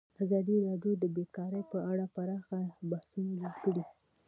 ازادي راډیو د بیکاري په اړه پراخ بحثونه جوړ کړي.